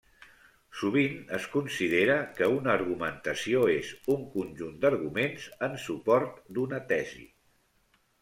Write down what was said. Sovint es considera que una argumentació és un conjunt d'arguments en suport d'una tesi.